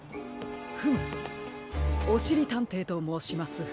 フムおしりたんていともうします。